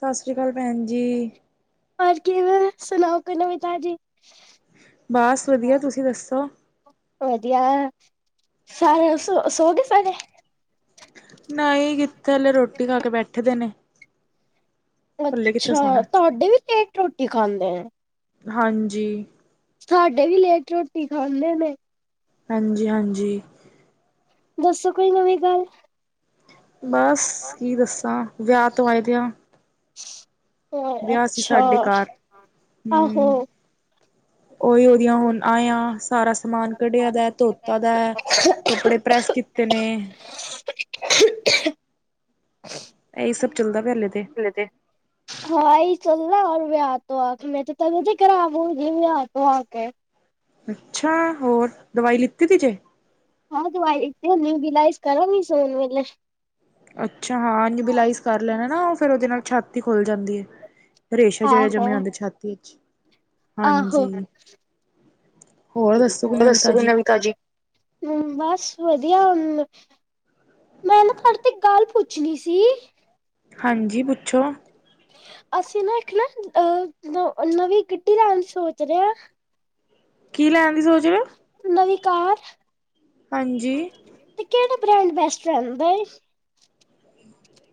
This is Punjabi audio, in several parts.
ਸਸ ਰੀ ਕਾਲ ਭੈਣ ਜੀ। ਹੋਰ ਕਿਵੇਂ, ਸੁਣਾਓ ਕੋਈ ਨਵੀਂ ਤਾਜੀ? ਬਸ ਵਧੀਆ, ਤੁਸੀਂ ਦੱਸੋ? ਵਧੀਐ, ਸਾਰੇ ਸੋ-ਸੋਗੇ ਸਾਰੇ। ਨਈਂ ਕਿੱਥੇ ਅਲੇ ਰੋਟੀ ਖਾ ਕੇ ਬੈੱਠ ਦੇ ਨੇ। ਅੱਛਾ, ਤੁਹਾਡੇ ਵੀ ਪੇਟ ਰੋਟੀ ਖਾਂਦੇ ਐਂ? ਹਾਂਜੀ। ਸਾਢੇ ਵੀ ਲੇਟ ਰੋਟੀ ਖਾਂਦੇ ਨੇ। ਹਾਂਜੀ- ਹਾਂਜੀ। ਦੱਸੋ ਕੋਈ ਨਵੀਂ ਗੱਲ। ਬਸ ਕੀ ਦੱਸਾਂ ਵਿਆਹ ਤੋਂ ਆਏਦੇ ਆਂ। ਵਿਆਹ ਸੀ ਸਾਡੇ ਘਾਰ, ਹੂੰ। ਉਈ ਓਗਿਆ ਹੁਣ ਆਏਂਆਂ ਸਾਰਾ ਸਮਾਨ ਕਢਿਆ ਦਾ ਧੋਤਾ ਦਾ। ਕੱਪੜੇ ਪ੍ਰੈਸ ਕੀਤੇ ਨੇ। ਐਈ ਸਭ ਚਲਦਾ ਪਿਆ ਹਲੇ ਤੇ ਲੇ ਤੇ। ਹਾ ਐਈ ਚੱਲੇ ਅਰ ਵਿਆ ਤੋ ਆ ਕੇ ਮੈਂ ਤੇ ਤਬੀਅਤ ਖਰਾਬ ਹੋਗੀ ਵਿਆ ਤੋ ਆ ਕੇ। ਅੱਛਾ, ਹੋਰ ਦਵਾਈ ਲਿੱਤੀ ਤੇ ਜੇ। ਹੁਣ ਦਵਾਈ ਲਾਤੀ ਹੁੰਦੀ ਰਿਲੈਕਸ ਕਰੂੰਗੀ ਸੌਣ ਵੇਲੇ। ਅੱਛਾ ਹਾਂ ਜਦੋ ਲਾਈਸ ਕਰ ਲੈਣਾ ਨਾ ਫਿਰ ਉਹਦੇ ਨਾਲ ਛਾਤੀ ਖੁੱਲ ਜਾਂਦੀ ਐ। ਰੇਸ਼ਾ ਜਿਹੜਾ ਜੰਮਿਆ ਹੁੰਦਾ ਛਾਤੀ ਚ ਹਾਂਜੀ। ਹੋਰ ਦੱਸੋ ਕੋਈ ਨਵੀ ਤਾਜੀ? ਬਸ ਵਧੀਆ ਹੁਣ, ਮੈਂ ਨਾ ਤੁਹਾਡੇ ਤੋ ਗੱਲ ਪੁੱਛ ਪੁੱਛਣੀ ਸੀ। ਅਸੀਂ ਨਾ ਇੱਕ ਨਾ ਅਹ ਨਵੀਂ ਗੱਡੀ ਲੈਣ ਦੀ ਸੋਚ ਰਹੇ ਆ। ਕੀ ਲੈਣ ਦੀ ਸੋਚ ਰੇ ਔ? ਨਵੀ ਕਾਰ, ਤੇ ਕਿਹੜਾ ਬ੍ਰੈਡ ਬੈਸਟ ਰਹਿੰਦਾ ਏ?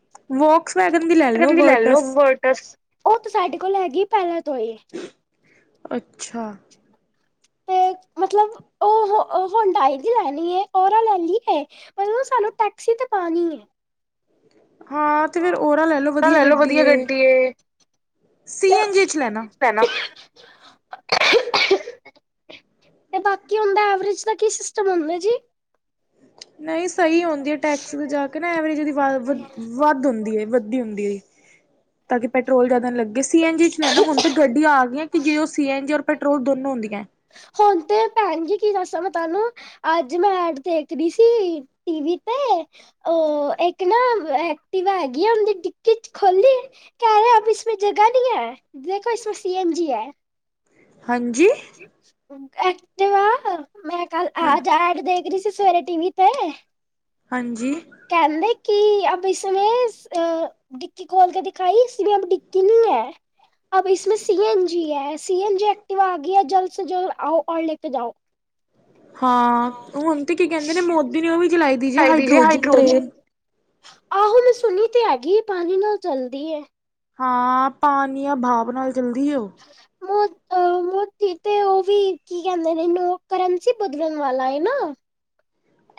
[unintelligible] ਉਹ ਤੇ ਸਾਡੇ ਕੋਲ ਹੈਗੀ ਪਹਿਲਾਂ ਤੋਂ ਈ। ਅੱਛਾ, ਤੇ ਮਤਲਬ ਉਹ [unintelligible] ਉਹ ਸਾਨੂੰ ਟੈਕਸੀ ਤੇ ਪਾਣੀ ਐ। ਹਾਂ ਤੇ ਫੇਰ ਓਰਾ ਲੈ ਲੋ ਵਧੀਆ ਗੱਡੀ ਏ। ਸੀ ਐਨ ਜੀ 'ਚ ਲੈਣਾ। [inaudible] ਤੇ ਬਾਕੀ ਹੁੰਦਾ ਐਵਰੇਜ ਦਾ ਕੀ ਸਿਸਟਮ ਹੁੰਦਾ ਜੀ। [unintelligible] ਨਹੀਂ ਸਹੀ ਹੁੰਦੀ ਐ ਟੈਕਸ ਤੇ ਜਾ ਕੇ ਨਾ ਐਵਰੇਂਜ ਦੀ ਅਵਾਜ਼ ਵ ਵੱਧ ਹੁੰਦੀ ਏ, ਵੱਧਦੀ ਹੁੰਦੀ ਏ। ਤਾਂ ਕਿ ਪੈਟਰੋਲ ਜਿਆਦਾ ਨਾ ਲੱਗੇ ਸੀ ਐਨ ਜੀ ਚ ਐ ਨਾ ਹੁਣ ਤੇ ਗੱਡੀਆਂ ਆ ਗਈਆਂ ਕਿ ਜੇ ਉਹ ਸੀ ਐਨ ਜੀ ਔਰ ਪੈਟਰੋਲ ਦੋਨੋਂ ਹੁੰਦੀਆਂ। ਹੁਣ ਤੇ ਭੈਣਜੀ ਕੀ ਦੱਸਾਂ ਮੈਂ ਤਹਾਨੂੰ ਅੱਜ ਮੈਂ ਐਡ ਦੇਖ ਰੀ ਸੀ। ਟੀਂਵੀ ਤੇ ਉਹ ਇੱਕ ਨਾ ਉਹ ਐਕਟਿਵ ਹੈਗੀ ਆ ਉਹਦੀ ਡਿੱਕੀ ਚੋ ਖੋਲੀ ਕਹਿ ਰਹੇ ਅਬ ਇਸਮੇ ਜਗ੍ਹਾ ਵੀ ਐ ਦੇਖੋ ਇਸ ਮੇ ਸੀਐਮ ਜੀ ਐ। [unintelligible] ਐਕਿਵਾ ਮੈਂ ਕੱਲ ਆਜ ਐਡ ਦੇ ਫੇਰ ਅਸੀ ਸਵੇਰੇ ਟੀਵੀ ਤੇ, ਹਾਂਜੀ, ਕਹਿੰਦੇ ਕਿ ਅਬ ਇਸਮੇ ਅਹ, ਡਿੱਕੀ ਕੋੋਲ ਕੇ ਦਿਖਾਈ ਇਸ ਦੇ ਅੰਦਡਿੱਕੀ ਨੀ ਐ। ਅਬ ਇਸਮੇ ਸੀ ਐਨ ਜੀ ਹੈ, ਸੀ ਐਨ ਜੀ ਐਕਟੀਵਾ ਆ ਗਈ ਹੈ, ਜਲਦ ਸੇ ਜਲਦ ਆਓ ਔਰ ਲੈ ਕੇ ਜਾਓ। ਹਾਂ ਹੁਣ ਤੇ ਕੀ ਕਹਿੰਦੇ ਨੇ ਮੋਦੀ ਨੇ ਉਹੀ ਚਲਾਈ ਦੀ ਜੀ ਹਾਈਡ੍ਰੋਜਨ ਟੇਨ। ਆਹੋ ਸੁਣੀ ਤੇ ਹੈਗੀ ਐ ਪਾਣੀ ਨਾਲ ਚੱਲਦੀ ਐ। ਹਾਂ ਪਾਣੀ ਆ ਭਾਪ ਨਾਲ ਚੱਲਦੀ ਉਹ [unintelligible] ਤੇ ਉਹ ਵੀ ਕੀ ਕਹਿੰਦੇ ਨੇ ਓ ਕਰਨਸੀ ਬਦਲਣ ਵਾਲਾ ਹੈ ਨਾ।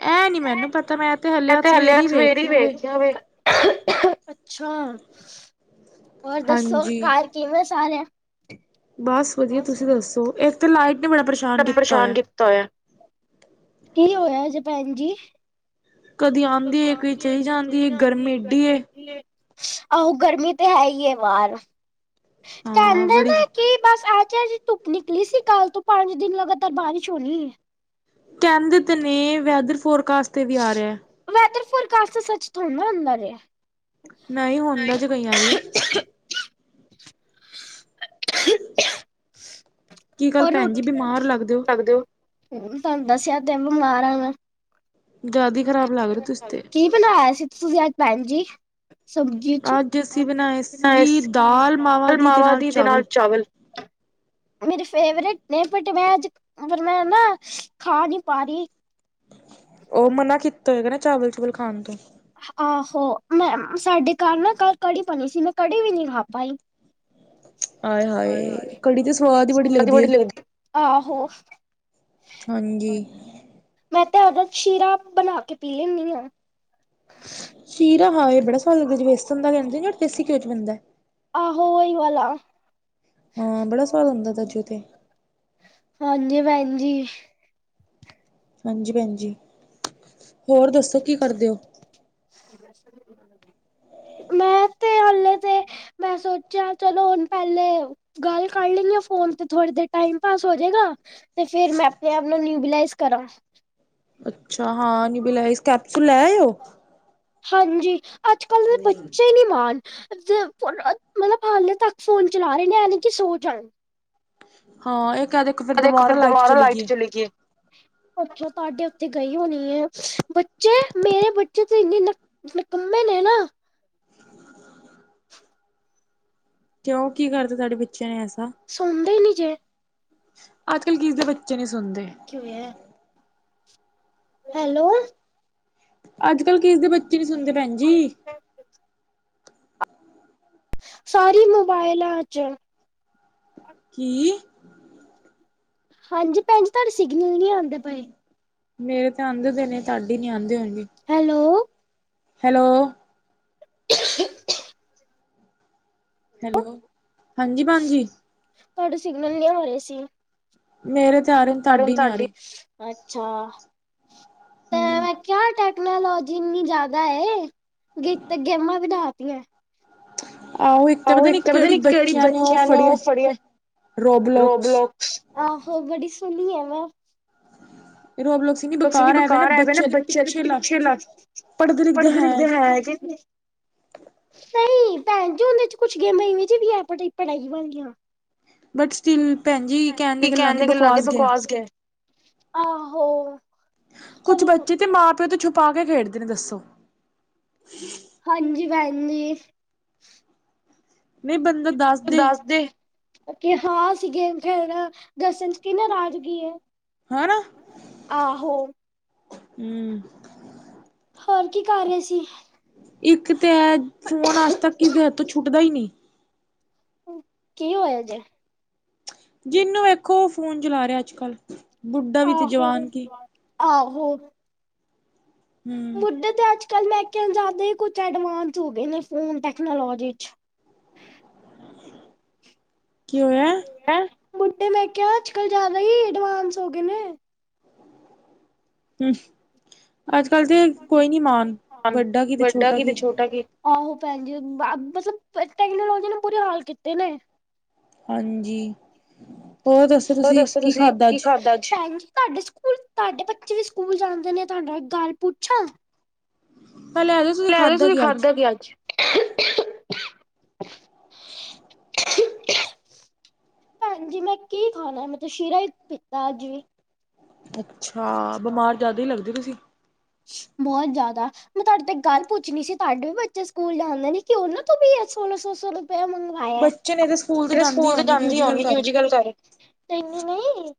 ਐਹ ਨੀ ਮੈਨੂੰ ਪਤਾ ਮੈਂ ਐ ਤੇ ਹੱਲੇ ਸਵੇਰੇ ਹੀ ਵੇਖਿਆ ਹੋਇਆ [unintelligible] ਅੱਛਾ। ਹੋਰ ਦੱਸੋ ਘਰ ਕਿਵੇਂ ਸਾਰੇ। ਬਸ ਵ ਬਸ, ਪਰੇਸ਼ਾਨ ਕੀਤਾ ਹੋਇਆ। ਕੀ ਹੋਇਆ ਜੇ ਭੈਣ ਜੀ। ਕਦੀ ਆਂਦੀ ਏ, ਕਦੀ ਚਲੀ ਜਾਂਦੀ ਏ ਗਰਮੀ ਏਡੀ ਏ। ਆਹੋ ਗਰਮੀ ਤੇ ਹੈ ਏ ਬਾਹਰ। ਕਹਿੰਦੇ ਨੇ ਕਿ ਬਸ [unintelligible] ਧੁੱਪ ਨਿਕਲੀ ਸੀ ਕੱਲ ਤੋਂ ਪੰਜ ਦਿਨ ਲਗਾਤਾਰ ਬਾਰਿਸ਼ ਹੋ ਰਹੀ ਏ। ਕਹਿੰਦੇ ਤੇ ਨੀ ਵੈਦਰ ਫੋਰਕਾਸਟ ਤੇ ਵੀ ਆ ਰਿਹਾ। ਵੈਦਰ ਫੋਰਕਾਸਟ ਤੇ ਸੱਚ ਥੋੜਾ ਨਾ ਹੁੰਦਾ ਏ [unintelligible] [unintelligible] ਹੋਰ ਰੋ ਲੱਗਦੇ ਹੋ, ਤੁਹਾਨੂੰ ਦੱਸਿਆ ਤੇ ਬਿਮਾਰ ਆ ਮੈਂ। ਕੀ ਬਣਾਇਆ ਸੀ ਤੁ ਤੁਸੀਂ ਅੱਜ ਭੈਣ ਜੀ? ਸਬਜ਼ੀ ਚ ਅੱਜ ਸੀਂ ਬਣਾਏ ਸੀ ਦਾਲ ਮਾਵਾ ਦੀ ਦੇ ਨਾਲ ਚਾਵਲ। [inaudible] ਮੇਰੇ ਫੇਵਰੇਟ ਨੇ ਬਟ ਮੈਂ ਅੱਜ ਫਿਰ ਮੈਂ ਨਾ ਖਾ ਨੀ ਪਾ ਰਈ। ਉਹ ਮਨਾ ਕੀਤਾ ਹੋਏਗਾ ਨਾ ਚਾਵਲ ਚਾਵੁਲ ਖਾਣ ਤੋਂ, ਆਹੋ ਮੈਂ ਸਾਡੇ ਘਰ ਨਾ ਕੱਲ ਕੜੀ ਬਣੀ ਸੀ ਮੈਂ ਕੜੀ ਵੀ ਨੀ ਖਾ ਪਾਈ। ਸਵਾਦ ਈ ਬੜੀ ਲੱਗਦੀ, ਆਹੋ। ਹਾਂਜੀ। ਮੈਂ ਤੇ ਉਹਦਾ ਸ਼ੀਰਾ ਬਣਾ ਕੇ ਪੀ ਲੈਂਣੀ ਆ। ਸ਼ੀਰਾ ਹਾਂ ਇਹ ਬੜਾ ਸਵਾਦ ਲੱਗਦਾ ਜੀ ਵੇਸਨ ਦਾ ਬਣਦਾ ਔਰ ਦੇਸੀ ਘਿਓ ਚ ਬਣਦਾ। ਆਹੋ ਓਈ ਵਾਲਾ। ਹਾਂ ਬੜਾ ਸਵਾਦ ਆਉਂਦਾ ਤਾਜੂ ਤੇ, ਹਾਂਜੀ ਭੈਣਜੀ। ਹਾਂਜੀ ਭੈਣਜੀ, ਹੋਰ ਦੱਸੋ ਕੀ ਕਰਦੇ ਹੋ? [unintelligible] ਹਾਂ [unintelligible] ਮੈਂ ਤੇ ਹਾਲੇ ਤੇ ਮੈਂ ਸੋਚਿਆ ਚਲੋ ਹੁਣ ਪਹਿਲੇ ਗੱਲ ਕਰ ਲੈਣੀ ਆ ਫੋਨ ਤੇ ਥੋੜੇ ਦੇਰ ਟਾਈਮ ਪਾਸ ਹੋਜੇਗਾ। ਤੇ ਫਿਰ ਮੈਂ ਆਪਣੇ ਆਪ ਨੂੰ ਨਿਊਵੀਲਾਈਜ਼ ਕਰਾਂ। ਅੱਛਾ ਹਾਂ, ਨਿਊਬਲਾਈਜ ਕੈਪਸੂਲ ਲੈ ਆਇਓ? ਹਾਂਜੀ, ਅੱਜ-ਕੱਲ ਦੇ ਬੱਚੇ ਨੀ ਮਾਣ ਜੇ ਫੋਨ ਮਤਲਬ ਹਾਲੇ ਤੱਕ ਫੋਨ ਚਲਾ ਰਹੇ ਨੇ ਹਾਲੇ ਇਹ ਨੀ ਕਿ ਸੋ ਜਾ। ਹਾਂ ਇੱਕ ਆ ਦੇਖੋ ਫਿਰ ਦੁਬਾਰਾ ਲਾਈਟ ਚਲੀ ਗਈਆ। ਅੱਛਾ ਤੁਹਾਡੇ ਓਥੇ ਗਈ ਹੋਣੀ ਏ, ਬੱਚੇ ਮੇਰੇ ਬੱਚੇ ਤਿੰਨ ਦਿਨ ਤੱਕ, ਮਤਲਬ ਕੱਲੇ ਨੇ ਨਾ। ਕਿਉਂ, ਕੀ ਕਰਦਾ, ਤੁਹਾਡੇ ਬੱਚਿਆਂ ਨੇ ਐਸਾ ਸੁਣਦੇ ਨੇ ਜੇ, ਅੱਜ- ਕੱਲ ਕਿਸੇ ਦੇ ਬੱਚੇ ਨੀ ਸੁਣਦੇ। ਕਿਵੇਂ ਹੈ ਹੈਲੋ ਅੱਜ -ਕੱਲ ਕਿਸੀ ਦੇ ਬੱਚੇ ਨੀ ਸੁਣਦੇ ਭੈਣ ਜੀ। ਸਾਰੀ ਮੋਬਾਇਲਾਂ 'ਚ ਕੀ ਹਾਂਜੀ ਭੈਣ ਜੀ ਤਾਡੇ ਸਿਗਨਲ ਨੀ ਆਉਂਦੇ ਪਏ। ਮੇਰੇ ਤਾਂ ਆਂਉਦੇ ਨੇ, ਤਾਡੇ ਨੀ ਆਉਂਦੇ ਹੋਣਗੇ। ਹੈਲੋ ਹੈਲੋ [inaudible] ਹੈਲੋ, ਹਾਂਜੀ ਭੈਣ ਜੀ। ਤਾਡੇ ਸਿਗਨਲ ਨੀ ਆ ਰਹੇ ਸੀ। ਮੇਰੇ ਚਾਰਮ ਕਾਰਨ ਤੁਹਾਡੀ, ਅੱਛਾ ਹਮ ਕਿਆ ਟੈਕਨੋਲੋਜੀ ਇੰਨੀ ਜਿਆਦਾ ਏ, ਗੀਤ, ਗੇਮਾਂ ਬਣਾਤੀਆ। ਆਹੋ ਇੱਕ ਪਤਾ ਨੀ ਕਿਹੜੀ ਬੱਚਿਆਂ ਨੂੰ ਉਹ ਫੜੀਆਂ, ਰੋਬਲੋ ਆਹੋ ਬੜੀ ਸੋਹਣੀ ਆ ਵੋ ਰੋਬਲ ਸੀ ਨਾ ਬੇਕਾਰ ਆਵੇ ਨਾ ਬੱਚਿਆਂ ਦੇ ਪਿੱਛੇ ਲੱਗ ਪੜ੍ਹਦੇ ਲਿਖਦੇ ਹੈਗਿਨ ਨਹੀਂ, ਭੈਣ ਜੀ, ਉਹਦੇ 'ਚ' ਕੁਛ ਗੇਮਾਂਈ ਨੇ ਪੜੀ ਪੜ੍ਹਾਈ ਵਾਲੀਆ ਇਹ ਕਹਿਣ ਦੇ ਗੱਲਾਂ ਗੇ, ਬਕਵਾਸ ਗਏ। ਆਹੋ। ਕੁਛ ਬੱਚੇ ਤੇ ਮਾਂ- ਪਿਓ ਤੋਂ ਛੁਪਾ ਕੇ ਖੇਡਦੇ ਨੇ ਦੱਸੋ? ਹਾਂਜੀ ਭੈਣ ਜੀ। ਨੀ ਤੂੰ ਦੱਸ ਦੇ ਕਿ ਹਾਂ ਅਸੀਂ ਗੇਮ ਖੇਲਣਾ, ਦੱਸਣ 'ਚ' ਕਿ ਨਰਾਜਗੀ ਏ ਹਨਾ, ਆਹੋ। ਹੁੰ। ਹੋਰ ਕੀ ਕਰ ਰਹੇ ਸੀ। ਇੱਕ ਤੇ ਐ, ਫੋਨ ਅੱਜ ਤੱਕ ਕਿਸੇ ਹੱਥ ਤੋਂ ਛੁੱਟਦਾ ਹੀ ਨਹੀਂ ਓ, ਕੀ ਹੋਇਆ ਜੇ ਜਿਹਨੂੰ ਵੇਖੋ, ਫੋਨ ਚਲਾ ਰਿਹਾ ਅੱਜ- ਕੱਲ ਆਹੋ, ਆਹੋ ਮੁੁੱਦੇ ਤੇ ਅੱਜ ਚੱਲ ਮੈਂ ਕਿਆ, ਜਾਂਦੇ ਕੁਛ ਐਡਵਾਂਸ ਹੋ ਗਏ ਨੇ ਫੋਨ ਟੈਕਨੋਲੋਜੀ 'ਚ' ਹੈਂ, ਬੁਢੇ ਮੈਂ ਕਿਹਾ ਅੱਜ -ਕੱਲ ਜ਼ਿਆਦਾ ਹੀ ਅਡਵਾਂਸ ਹੋ ਗਏ ਨੇ ਹਮ, ਅੱਜ -ਕੱਲ ਤੇ ਕੋਈ ਨੀ ਮਾਣ, ਵੱਡਾ ਕੀ ਤੇ ਛੋਟਾ ਕੀ ਆਹੋ ਭੈਣ ਜੀ, ਬ, ਮਤਲਬ ਟੈਕਨੋਲੋਜੀ ਨੇ ਬੁਰੇ ਹਾਲ ਕੀਤੇ ਨੇ ਹੋਰ ਦੱਸੋ ਤੁਸੀਂ, ਕੀ ਖਾਧਾ ਅੱਜ ਹੁਣ ਤਾਡੇ ਬੱਚੇ ਵੀ ਸਕੂਲ ਜਾਂਦੇ ਨੇ, ਤੁਹਾਨੂੰ ਇੱਕ ਗੱਲ ਪੁੱਛਾਂ ਪਹਿਲੇ ਐ ਦੱਸੋ ਤੁਸੀਂ ਖਾਧਾ ਕਿ ਅੱਜ [inaudible] [inaudible] ਭੈਂਜੀ ਮੈਂ ਕੀ ਖਾਨਾ ਮੈਂ ਤੇ ਸ਼ੀਰਾ ਈ ਪਿੱਤਾ ਅੱਜ ਵੀ ਅੱਛਾ, ਬਮਾਰ ਜਾਦਾ ਈ ਲੱਗਦੇ ਤੁਸੀਂ ਬੋਤ ਜਾਦਾ ਮੈਂ ਤਾਡੇ ਤੋ ਇੱਕ ਗੱਲ ਪੁੱਛਨੀ ਸੀ, ਤਾਡੇ ਵੀ ਬੱਚੇ ਸਕੂਲ ਜਾਂਦੇ ਨੇ, ਕਿ ਓਨਾਂ ਤੋਂ ਵੀ ਸੋਲਾਂ ਸੌ-ਸੌ ਰੁਪੇਆ ਮੰਗਾ ਏਆ, ਸਕੂਲ ਤੇ ਜਾਂਦੇ ਈ ਹੋਨਗੇ ਕੋਈ ਦੂਜੀ ਗੱਲ ਕਰ ਨਂਈਂ-ਨਈਂ,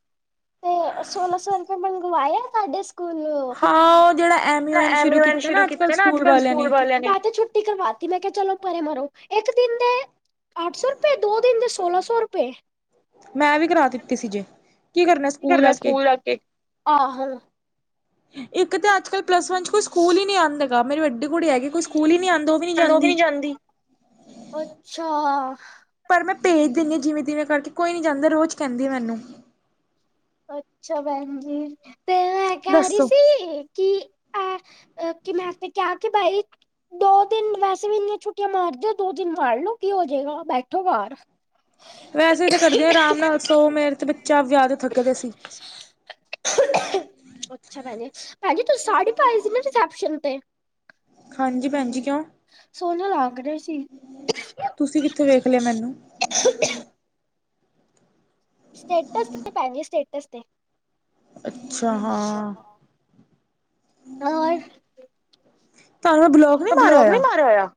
ਤੇ ਸੋਲਾਂ ਸੌ ਰੁਪਏ ਮੰਗਵਾਏ ਐ ਸਾਡੇ ਸਕੂਲੋਂ ਹਾਂ ਓ ਜੇੜਾ ਐ ਐਮੀ ਵਨ ਸ਼ੁਰੂ ਕੀਤਾ ਨਾ ਅੱਜ- ਕੱਲ ਸਕੂਲ ਵਾਲੇਆਂ ਨੇ ਮੈਂ ਤੇ ਛੁੱਟੀ ਕਰਵਾ ਤੇ ਮੈਂ ਕੇਆ ਚਲੋ ਪਰੇ ਮਰੋ, ਇੱਕ ਦਿਨ ਦੇ ਅੱਠ ਸੌ ਰੁਪਏ ਦੋ ਦਿਨ ਦੇ ਸੋਲਾਂ ਸੌ ਰੁਪਏ ਮੈਂ ਵੀ ਕਰਾ ਦਿੱਤੀ ਸੀ ਜੇ, ਕੀ ਕਰਨੈ ਸਕੂਲ ਜਾ ਕੇ? ਇੱਕ ਤਾਂ ਅੱਜ -ਕੱਲ ਪਲੱਸ ਵਨ 'ਚ ਕੋਈ ਸਕੂਲ ਈ ਨੀਂ ਆਂਦਾ ਹੈਗਾ, ਮੇਰੀ ਵੱਡੀ ਕੁੜੀ ਹੈਗੀ ਕੋਈ ਸਕੂਲ ਈ ਨਹੀਂ ਆਂਦਾ। ਤਾਂ ਓ ਵੀ ਨੀਂ ਜਾਂਦੀ [inaudible] ਅੱਛਾ। ਪਰ ਮੈਂ ਭੇਜ ਦਿੰਨੀ ਆਂ, ਜਿਵੇਂ- ਤਿਵੇਂ ਕਰਕੇ ਕੋਈ ਨੀ ਜਾਂਦਾ ਰੋਜ ਕੇਂਦੀ ਆ ਮੈਨੂੰ ਅੱਛਾ ਭੈੰਜੀ ਤੇ ਮੈਂ ਕੇ ਰਈ ਸੀ। [inaudible] ਕੀ, ਮੈਂ ਤੇ ਕੇਆ ਬਾਈ ਦੋ ਦਿਨ ਵੈਸੇ ਵੀ ਇੰਨੀਆਂ ਛੁੱਟੀਆਂ ਮਾਰਦੇ ਓ, ਦੋ ਦਿਨ ਮਾਰ ਲੋ ਕੀ ਹੋ ਜੇਗਾ ਬੈਠੋ ਘਾਰ ਵੈਸੇ ਤੇ ਕਰਦੇ ਆਰਾਮ ਨਾਲ ਸੋ ਮੇਰੇ ਤੇ ਬੱਚਾ ਵੇਆਹ ਦੇ ਥੱਕਦੇ ਸੀ। ਅੱਛਾ ਭੈੰਜੀ, ਭੈਂਜੀ ਤੁਸੀਂ ਸਾੜੀ ਪਾਈ ਸੀ ਨਾ ਰਸੈਪਸ਼ਨ ਤੇ? ਹਾਂਜੀ ਭੈਂਜੀ ਕਿਉਂ? ਸੋਨੇ ਲੱਗ ਰਏ ਸੀ। ਤੁਸੀਂ ਕਿੱਥੇ ਵੇਖ ਲੇਆ ਮੈਨੂੰ? ਸਟੇਟਸ ਤੇ, ਭੈਂਜੀ ਸਟੇਟਸ ਤੇ ਅੱਛਾ, ਹਾਂ। ਔਰ? [unintelligible] ਬਲੋਕ ਨੀਂ ਮਾਰ ਹੋਏਆ।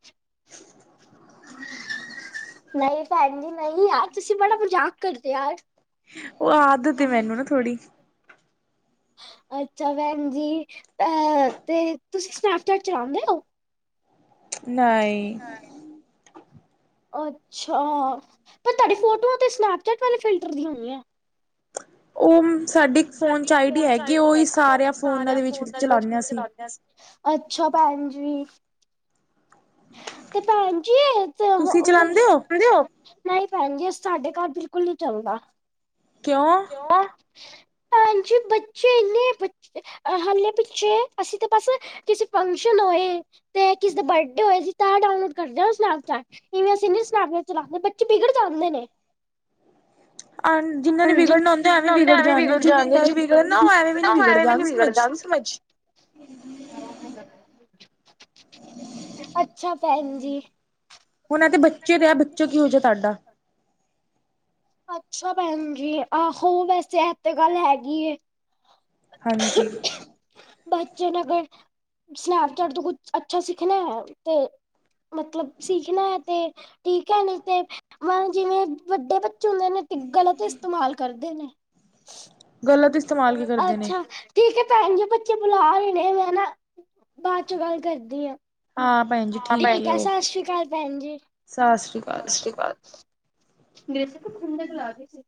ਨਈਂ ਭੈਂਜੀ, ਨਈਂ ਯਾਰ ਤੁਸੀ ਬੜਾ ਮਜਾਕ ਕਰਦੇ ਯਾਰ। ਓ ਆਦਤ ਏ ਮੈਨੂੰ ਨਾ ਥੋੜੀ ਅੱਛਾ ਭੈਂਜੀ, ਅ ਤੇ ਤੁਸੀਂ ਸਨੈਪਚੈਟ ਚਲਾਂਦੇ ਓ? ਨਈਂ। ਅੱਛਾ, ਪਰ ਤਾਡੀ ਫੋਟੋਆਂ ਤੇ ਸਨੈਪਚੈਟ ਵਾਲੇ ਫਿਲਟਰ ਦੀ ਹੁੰਦੀਆਂ। ਓ ਸਾਡੀ ਇੱਕ ਫੋਨ 'ਚ ਆਈ ਡੀ ਹੈਗੀ, ਓ ਈ ਸਾਰੇਆਂ ਫੋਨਾਂ ਦੇ ਵਿੱਚ ਫੇਰ ਚਲਾਨੇ ਆਂ ਅਸੀਂ। ਦੱਸ? ਅੱਛਾ ਭੈੰਜੀ। ਤੇ ਭੈੰਜੀ ਏ ਤਾਂ [unintelligible] ਨਈਂ ਭੈਂਜੀ ਏ ਸਾਡੇ ਘਰ ਬਿਲਕੁਲ ਨੀਂ ਚੱਲਦਾ। ਕੇਉਂ? [inaudible] ਭੈਂਜੀ ਬੱਚੇ ਇੰਨੇ ਬੱ ਹਾਲੇ ਪਿੱਛੇ ਅਸੀ ਤੇ ਬਸ ਕਿਸੇ ਫੰਕਸ਼ਨ ਹੋਏ ਤੇ, ਕਿਸੇ ਦਾ ਬਰਡੇ ਹੋਏ ਜੀ ਤਾਂ ਡਾਨਲੋਡ ਕਰਦੇ ਆਂਂ ਸਨੈਪਚੈਟ, ਇਵੇਂ ਅਸੀ ਨੀਂ ਸਨੈਪਚੈਟ ਚਲਾਂਦੇ ਬੱਚੇ ਬਿਗੜ ਜਾਂਦੇ ਨੇ। ਅਨ ਜਿੰਨਾ ਨੇ ਵਿਗੜਨਾ ਹੁੰਦਾ ਐਵੇਂ ਵਿਗੜ ਜਾਂਦੇ, ਜਿੰਨੇ ਨਈਂ ਵਿਗੜਨਾ ਓ ਐਵੇਂ ਵੀ ਨੀ ਵਿਗੜਦੇ, ਆ ਗੀ ਸਮਜ। ਅੱਛਾ ਭੈਂਜੀ। ਹੁਨ ਐ ਤੇ ਬੱਚੇ ਤੇ ਆ ਬੱਚਾ ਕੀਹੋ ਜਾ ਤੁਆਡਾ ਅੱਛਾ ਭੈਨ ਜੀ, ਆਹੋ ਵੈਸੇ ਐ ਤੇ ਗੱਲ ਹੈਗੀ ਏ। ਹਾਂਜੀ। ਬੱਚੇ ਨੂੰ ਅਗਰ, ਸਨੈਪਚੈਟ ਤੋਂ ਅੱਛਾ ਸਿੱਖਨਾ ਤੇ ਮਤਲਬ ਸੀਖਨਾ ਐ ਤੇ ਠੀਕ ਏ ਨਈਂ ਤੇ ਮੈਂ ਜਿਵੇਂ ਵੱਡੇੇ ਬੱ ਚੇ ਹੁੰਦੇ ਨੇ ਤੇ ਗਲਤ ਇਸਤੇਮਾਲ ਕਰਦੇ ਨੇ, ਅੱਛਾ ਠੀਕ ਐ ਭੈਨ ਜੀ ਬੱਚੇ ਬੁਲਾ ਰਏ ਨੇ ਮੈਂ ਨਾ, ਬਾਦ ਚੋਂ ਗੱਲ ਕਰਦੀ ਆਂ। ਠੀਕ ਐ ਸਸਰੀ ਕਾਲ ਭੈਨ ਜੀ, ਸਾਸਰੀ ਕਾਲ। ਬੇਸ਼ੱਕ ਖੁੰਦਕ ਲਾ ਰਈ ਸੀ।